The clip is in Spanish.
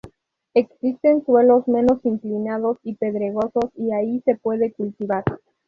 Existen suelos menos inclinados y pedregosos y ahí si se puede cultivar.